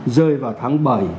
rơi vào tháng bảy